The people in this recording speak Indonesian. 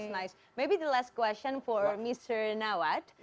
mungkin pertanyaan terakhir untuk mr nawat